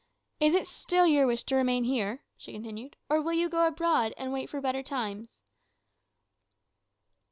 "Is it still your wish to remain here," she continued; "or will you go abroad, and wait for better times?"